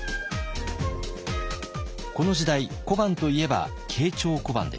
この時代小判といえば慶長小判でした。